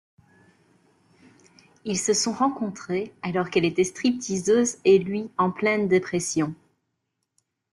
Ils se sont rencontrés alors qu'elle était stripteaseuse et lui en pleine dépression.